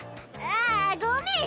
あっごめん。